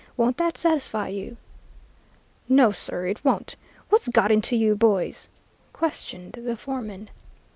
Won't that satisfy you?' "'No, sir, it won't. What's got into you boys?' questioned the foreman.